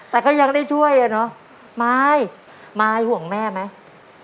แต่ก็ยังได้ช่วยอ่ะเนอะมายมายห่วงแม่ไหม